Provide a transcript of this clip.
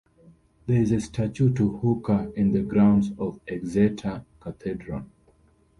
There is a statue to Hooker in the grounds of Exeter Cathedral.